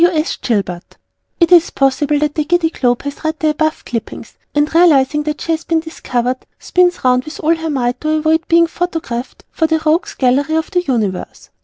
W. S. Gilbert. It is possible that the Giddy Globe has read the above clippings and, realizing that she has been discovered, spins round with all her might to avoid being photographed for the Rogues' Gallery of the Universe.